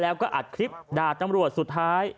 แล้วก็อัดคลิปด่าตำรวจสุดท้าย